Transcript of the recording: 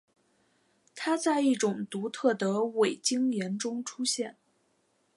它在一种独特的伟晶岩中出现。